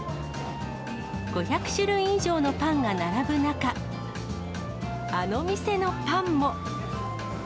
５００種類以上のパンが並ぶ中、あの店のパンも。